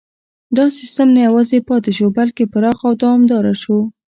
دا سیستم نه یوازې پاتې شو بلکې پراخ او دوامداره شو.